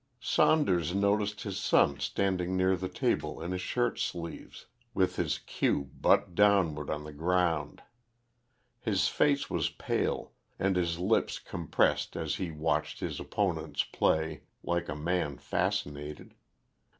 Saunders noticed his son standing near the table in his shirt sleeves, with his cue butt downward on the ground. His face was pale and his lips compressed as he watched his opponent's play like a man fascinated.